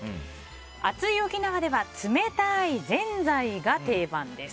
暑い沖縄では冷たいぜんざいが定番です。